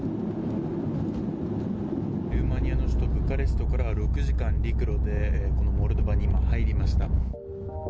ルーマニアの首都ブカレストから６時間、陸路でこのモルドバに今、入りました。